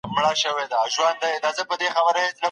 فضا موږ له زيان ساتي.